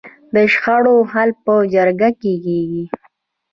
د شخړو حل په جرګه کیږي؟